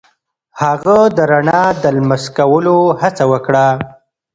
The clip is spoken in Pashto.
هغه د رڼا د لمس کولو هڅه وکړه.